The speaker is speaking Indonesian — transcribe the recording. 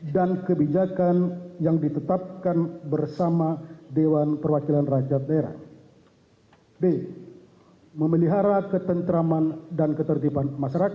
b memimpin pelaksanaan urusan pemerintahan yang menjadi kewenangan daerah berdasarkan ketentuan peraturan perundang undangan